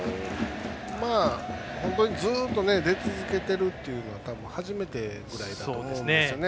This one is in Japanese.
ずっと出続けてるっていうのは多分初めてぐらいだと思うんですね。